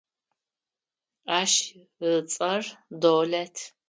Ащ ыцӏэр Долэт.